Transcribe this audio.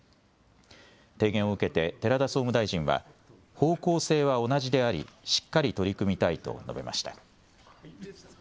提言を受けて寺田総務大臣は方向性は同じでありしっかり取り組みたいと述べました。